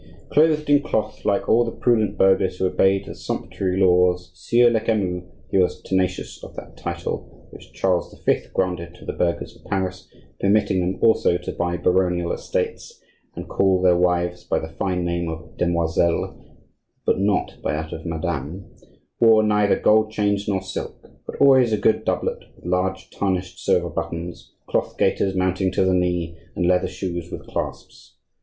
Clothed in cloth like all the prudent burghers who obeyed the sumptuary laws, Sieur Lecamus (he was tenacious of that title which Charles V. granted to the burghers of Paris, permitting them also to buy baronial estates and call their wives by the fine name of demoiselle, but not by that of madame) wore neither gold chains nor silk, but always a good doublet with large tarnished silver buttons, cloth gaiters mounting to the knee, and leather shoes with clasps.